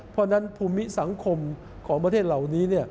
เพราะฉะนั้นภูมิสังคมของประเทศเหล่านี้